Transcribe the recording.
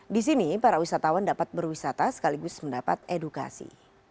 di sini para wisatawan dapat berwisata sekaligus mendapat edukasi